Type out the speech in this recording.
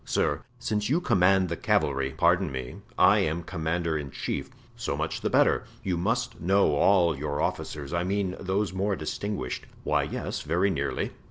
"Sir, since you command the cavalry——" "Pardon me, I am commander in chief." "So much the better. You must know all your officers—I mean those more distinguished." "Why, yes, very nearly."